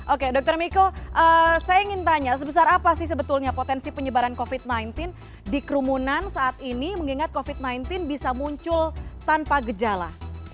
oke dr miko saya ingin tanya sebesar apa sih sebetulnya potensi penyebaran covid sembilan belas di kerumunan saat ini mengingat covid sembilan belas bisa muncul tanpa gejala